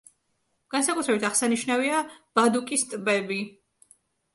განსაკუთრებით აღსანიშნავია ბადუკის ტბები.